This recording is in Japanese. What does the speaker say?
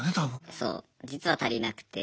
そう実は足りなくて。